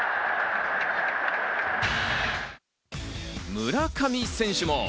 村上選手も！